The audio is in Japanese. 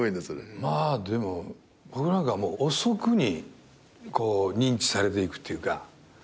まあでも僕なんか遅くに認知されていくっていうか。